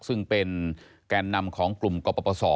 ซึ่งเป็นแกนนำของกลุ่มกปศ